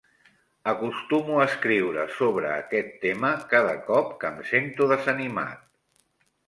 Acostumo a escriure sobre aquest tema cada cop que em sento desanimat.